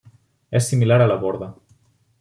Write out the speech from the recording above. És similar a la borda.